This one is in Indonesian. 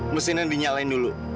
mesinnya dinyalain dulu